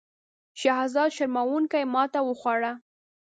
شهزاده شرموونکې ماته وخوړه.